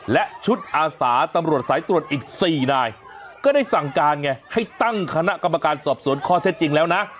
และชุดอาสาตำรวจสายตรวจอีก๔นายก็ได้สั่งการไงให้ตั้งคณะกรรมการสอบสวนข้อเท็จจริงแล้วนะ